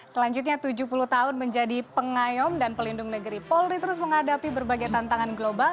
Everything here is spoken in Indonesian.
selanjutnya tujuh puluh tahun menjadi pengayom dan pelindung negeri polri terus menghadapi berbagai tantangan global